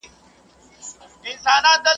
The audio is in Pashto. خپل به دي وژړوي، غليم به دي وخندوي.